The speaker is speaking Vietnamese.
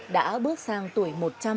đã bước sang tuổi một trăm linh